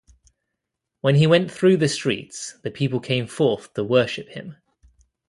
When he went through the streets, the people came forth to worship him.